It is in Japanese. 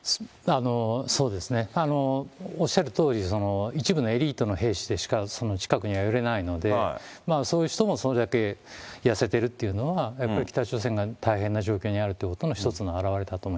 そうですね、おっしゃるとおり一部のエリートの兵士でしか近くには寄れないので、そういう人もそれだけ痩せてるというのは、やっぱり北朝鮮が大変な状況にあるということの一つの表れだと思